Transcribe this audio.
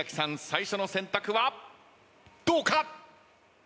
最初の選択はどうか？